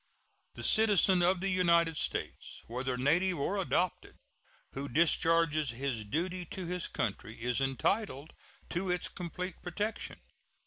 The citizen of the United States, whether native or adopted, who discharges his duty to his country, is entitled to its complete protection.